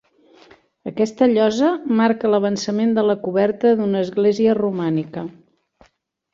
Aquesta llosa marca l'avançament de la coberta d'una església romànica.